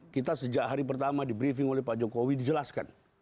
kita sejak hari pertama di briefing oleh pak jokowi dijelaskan